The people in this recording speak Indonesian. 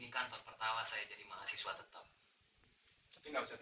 kau tetap masih belajar